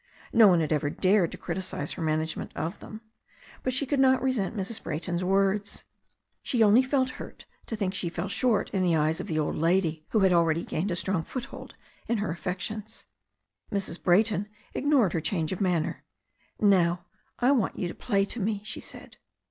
No one had ever dared to criticise her management of them. But she could not resent Mrs. Brayton's words. She only felt hurt to think she fell short in the eyes of the old lady, who had already gained a strong foothold in her affections. Mrs. Brayton ignored her change of manner. "Now, I want you to play to me," she said.